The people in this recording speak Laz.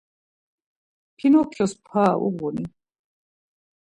Pinokyos para uğuni?